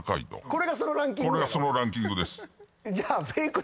これがそのランキングやろ？